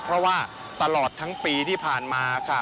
เพราะว่าตลอดทั้งปีที่ผ่านมาค่ะ